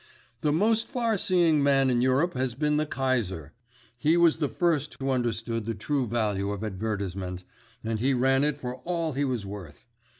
"The most far seeing man in Europe has been the Kaiser. He was the first who understood the true value of advertisement, and he ran it for all he was worth.